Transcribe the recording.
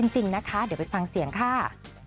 จริงนะคะเดี๋ยวไปฟังเสียงค่ะ